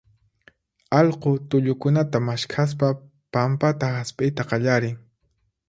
allqu tullukunata maskhaspa pampata hasp'iyta qallarin.